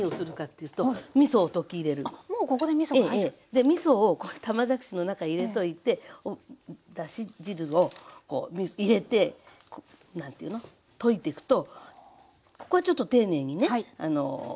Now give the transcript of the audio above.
でみそを玉じゃくしの中に入れといてだし汁をこう入れて何ていうの溶いてくとここはちょっと丁寧にね